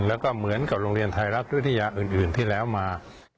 แล้วก็เหมือนกับโรงเรียนไทยรัฐวิทยาอื่นที่แล้วมา